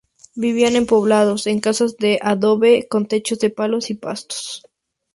Vivían en poblados, en casas de adobe con techos de palos y pasto.